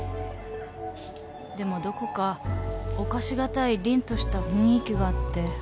でもどこか侵し難いりんとした雰囲気があって。